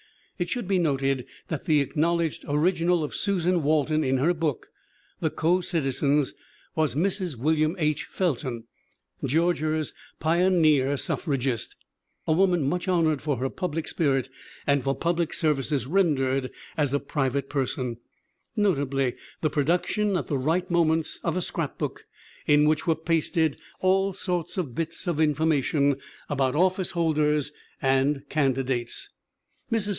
It should be noted that the acknowl edged original of Susan Walton in her book, The Co Citizens, was Mrs. William H. Felton, Georgia's pio neer suffragist, a woman much honored for her pub lic spirit and for public services rendered as a private person, notably the production at the right moments of a scrapbook in which were pasted all sorts of bits of information about officeholders and candidates. Mrs.